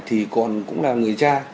thì còn cũng là người cha